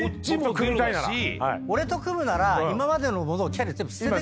えっ⁉俺と組むなら今までのものキャリア全部捨ててくれと。